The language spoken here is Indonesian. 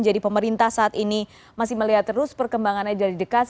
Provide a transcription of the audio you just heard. jadi pemerintah saat ini masih melihat terus perkembangannya dari dekat